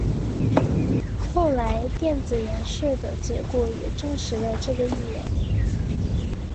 后来电子衍射的结果也证实了这个预言。